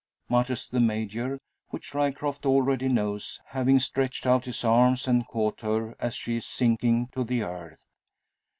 mutters the Major; which Ryecroft already knows, having stretched out his arms, and caught her as she is sinking to the earth.